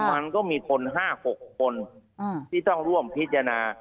มันก็มีคน๕๖คนที่ต้องร่วมพิจารณา